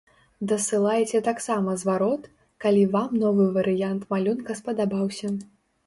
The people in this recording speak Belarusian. Дасылайце таксама зварот, калі вам новы варыянт малюнка спадабаўся.